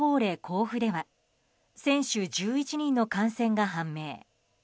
甲府では選手１１人の感染が判明。